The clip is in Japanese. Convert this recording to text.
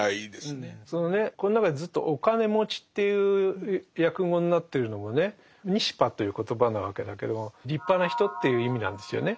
そのねこの中でずっと「お金持ち」っていう訳語になってるのもね「ニシパ」という言葉なわけだけども「立派な人」っていう意味なんですよね。